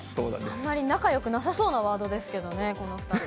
あまり仲よくなさそうなワードですけどね、この２つ。